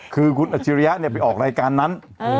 คือคุณอัจฉริยะไปออกรายการนั้น